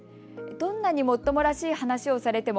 どんなにもっともらしい話をされても